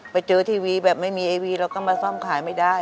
ไปเจอทีวีแบบไม่มีไอวีเราก็มาซ่อมขายไม่ได้